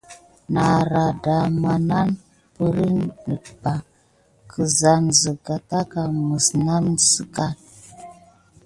Nara dama nana perine ba si kusakane siga takà mis ne nane sickai.